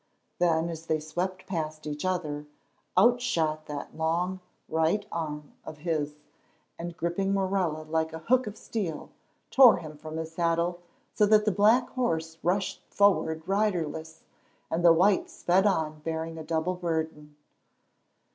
Then, as they swept past each other, out shot that long, right arm of his and, gripping Morella like a hook of steel, tore him from his saddle, so that the black horse rushed forward riderless, and the white sped on bearing a double burden.